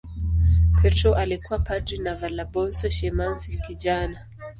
Petro alikuwa padri na Valabonso shemasi kijana.